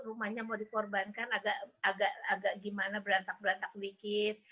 rumahnya mau dikorbankan agak gimana berantak berantak dikit